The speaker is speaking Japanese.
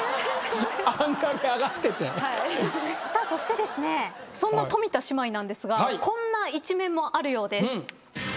そしてそんな冨田姉妹なんですがこんな一面もあるようです。